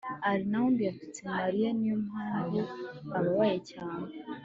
arnaud yatutse mariya. niyo mpamvu ababaye cyane